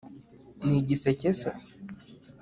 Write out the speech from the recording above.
Ni igiseke se